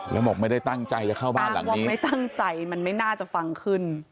แล้วบอกไม่ได้ตั้งใจจะเข้าบ้านหลังนี้ไม่ตั้งใจมันไม่น่าจะฟังขึ้น